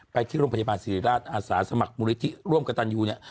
ไปที่โรงพยาบาลศิริราชอาสาสมัครมูลนิธิร่วมกับตันยูเนี่ย